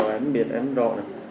em biết em rõ